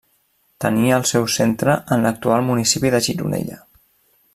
Tenia el seu centre en l'actual municipi de Gironella.